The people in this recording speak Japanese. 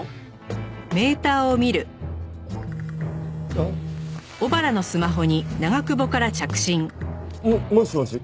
うん？ももしもし？